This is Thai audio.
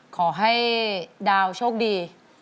ขอให้ดาวโชคดี